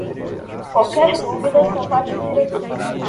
Qualquer dúvida, contate o diretor